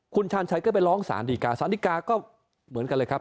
คุณชาญชัยก็ไปร้องสารดีกาสารดีกาก็เหมือนกันเลยครับ